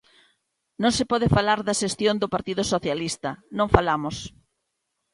Non se pode falar da xestión do Partido Socialista, non falamos.